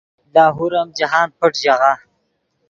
لاہور ام جاہند پݯ ژاغہ